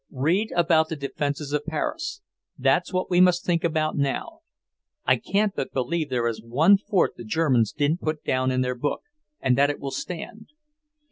"Read about the defences of Paris; that's what we must think about now. I can't but believe there is one fort the Germans didn't put down in their book, and that it will stand.